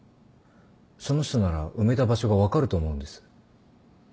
その人なら埋めた場所が分かると思うんです。